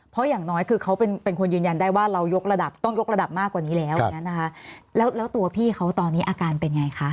เพราะอย่างน้อยคือเขาเป็นคนยืนยันได้ว่าเรายกระดับต้องยกระดับมากกว่านี้แล้วอย่างนั้นนะคะแล้วตัวพี่เขาตอนนี้อาการเป็นไงคะ